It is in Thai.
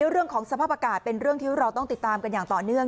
เรื่องของสภาพอากาศเป็นเรื่องที่เราต้องติดตามกันอย่างต่อเนื่อง